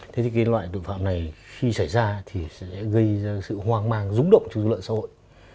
thế thì cái loại tội phạm này khi xảy ra thì sẽ gây ra sự hoang mang rúng động trong lượng xã hội